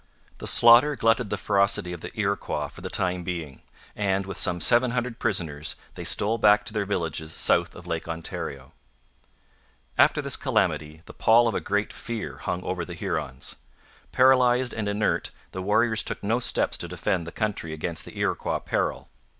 The slaughter glutted the ferocity of the Iroquois for the time being; and, with some seven hundred prisoners, they stole back to their villages south of Lake Ontario. After this calamity the pall of a great fear hung over the Hurons. Paralysed and inert, the warriors took no steps to defend the country against the Iroquois peril.